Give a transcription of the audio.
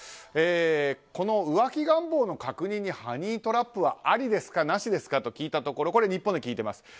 この浮気願望の確認にハニートラップはありですか、なしですかと聞いたところこれは日本で聞いてます。